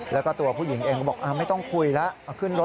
แล้วก็ตัวผู้หญิงเองก็บอกไม่ต้องคุยแล้ว